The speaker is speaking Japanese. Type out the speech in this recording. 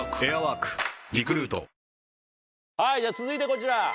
続いてこちら。